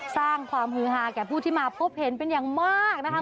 สร้างความฮือฮาแก่ผู้ที่มาพบเห็นเป็นอย่างมากนะคะ